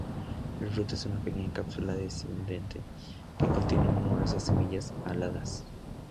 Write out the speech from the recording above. El fruto es una pequeña cápsula dehiscente que contiene numerosas semillas aladas.